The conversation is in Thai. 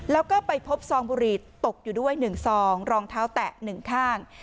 แล้วก็ไปพบซองบุรีตตกอยู่ด้วยหนึ่งซองรองเท้าแตะหนึ่งข้าง